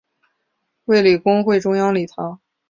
卫理公会中央礼堂。